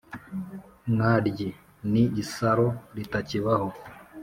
mwaryi : ni isaro ritakibaho.